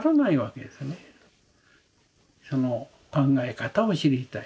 その考え方を知りたい。